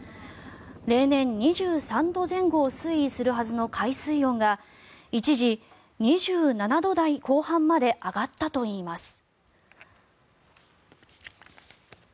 例年２３度前後を推移するはずの海水温が一時、２７度台後半まで上がったといいます。